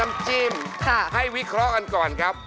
มาชมจากหมายเลขหนึ่งครับ